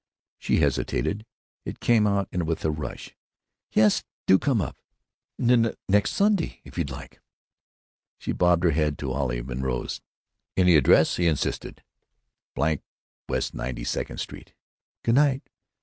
She hesitated. It came out with a rush. "Yes. Do come up. N next Sunday, if you'd like." She bobbed her head to Olive and rose. "And the address?" he insisted. "—— West Ninety second Street.... Good night.